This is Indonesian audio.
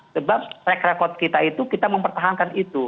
sebab rek rekod kita itu kita mempertahankan itu